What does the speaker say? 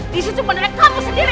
di situ menerima kamu sendiri